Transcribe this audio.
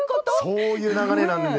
そういう流れなんですね。